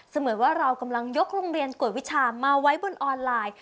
เหมือนว่าเรากำลังยกโรงเรียนกวดวิชามาไว้บนออนไลน์